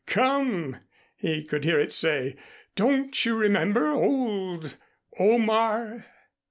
"Come," he could hear it say, "don't you remember old Omar?